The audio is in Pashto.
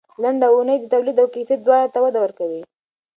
لنډه اونۍ د تولید او کیفیت دواړو ته وده ورکوي.